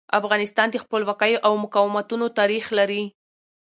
افغانستان د خپلواکیو او مقاومتونو تاریخ لري.